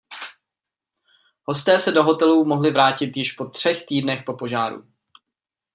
Hosté se do hotelu mohli vrátit již po třech týdnech po požáru.